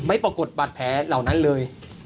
ไม่ปรากฏบาดแผลเหล่านั้นเลย